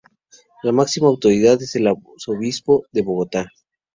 La máxima autoridad es el arzobispo de Bogotá.